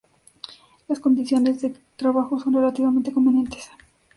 Las condiciones de trabajo son relativamente convenientes.